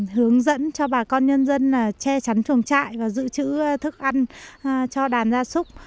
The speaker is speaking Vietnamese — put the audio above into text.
hướng dẫn cho bà con nhân dân che chắn chuồng trại và giữ chữ thức ăn cho đàn gia súc